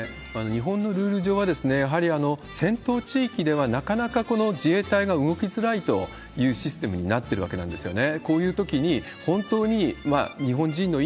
日本のルール上は、やはり戦闘地域ではなかなか自衛隊が動きづらいというシステムになってるわけなんですよね。